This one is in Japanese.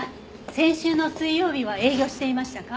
先週の水曜日は営業していましたか？